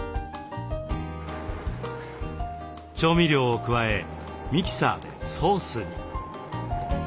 調味料を加えミキサーでソースに。